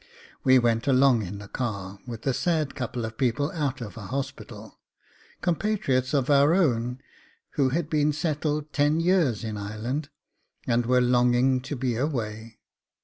... We went along in the car with a sad couple of people out of a hospital, compatriots of our own, who had been settled ten years in Ireland, and were longing to be away.